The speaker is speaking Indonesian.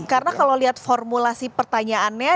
karena kalau lihat formulasi pertanyaannya